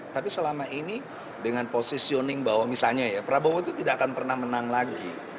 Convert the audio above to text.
tapi selama ini dengan positioning bahwa misalnya ya prabowo itu tidak akan pernah menang lagi